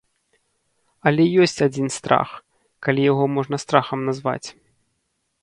Але ёсць адзін страх, калі яго можна страхам назваць.